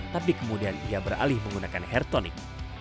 tapi kemudian ia beralih menggunakan hair tonic